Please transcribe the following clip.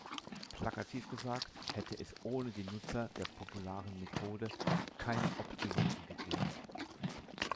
Plakativ gesagt, hätte es ohne die Nutzer der popularen Methode keine Optimaten gegeben.